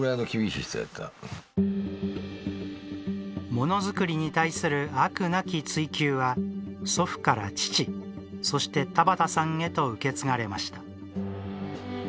ものづくりに対する飽くなき追求は、祖父から父そして田畑さんへと受け継がれました。